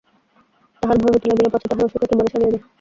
তাঁহার ভয় হইতে লাগিল, পাছে তাঁহার অসুখ একেবারে সারিয়া যায়।